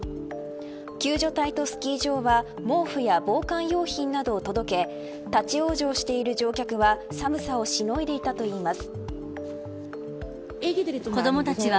救助隊とスキー場は毛布や防寒用品などを届け立ち往生している乗客は寒さをしのいでいたといいます。